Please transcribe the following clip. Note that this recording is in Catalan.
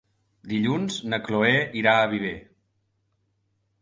Dilluns na Chloé irà a Viver.